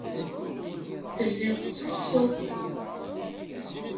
Telliḍ tettrusuḍ-d.